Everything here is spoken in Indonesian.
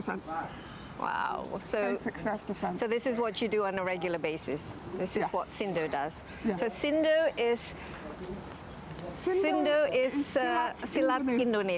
dan juga olimpiade